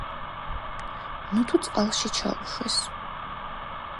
ნუთუ, წყალში ჩაუშვეს!